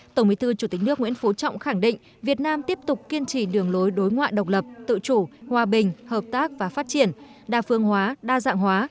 tổng bí thư chủ tịch nước nguyễn phú trọng khẳng định việt nam tiếp tục kiên trì đường lối đối ngoại độc lập tự chủ hòa bình hợp tác và phát triển đa phương hóa đa dạng hóa